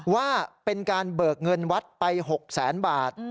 ว่าเป็นการเบิกเงินวัดไป๖แสนบาท